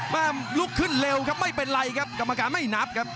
แม่ลุกขึ้นเร็วครับไม่เป็นไรครับกรรมการไม่นับครับ